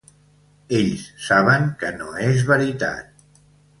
Ells saben que no és veritat.